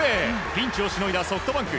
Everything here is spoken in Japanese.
ピンチをしのいだソフトバンク。